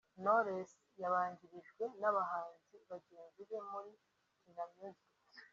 Knowless yabanjirijwe n’abahanzi bagenzi be muri Kina Music